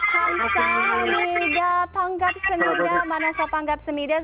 kamsah mida panggap semida manasow panggap semida